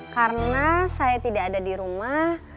karena saya tidak ada dirumah